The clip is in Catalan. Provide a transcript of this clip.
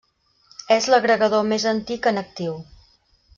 És l'agregador més antic en actiu.